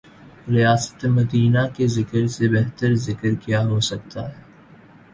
ریاست مدینہ کے ذکر سے بہترذکر کیا ہوسکتاہے۔